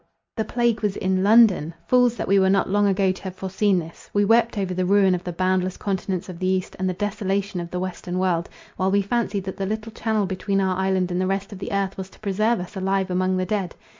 The plague was in London! Fools that we were not long ago to have foreseen this. We wept over the ruin of the boundless continents of the east, and the desolation of the western world; while we fancied that the little channel between our island and the rest of the earth was to preserve us alive among the dead.